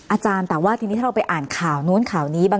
อาจารย์แต่ว่าทีนี้ถ้าเราไปอ่านข่าวนู้นข่าวนี้